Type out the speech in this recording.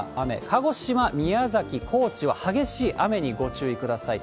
鹿児島、宮崎、高知は激しい雨にご注意ください。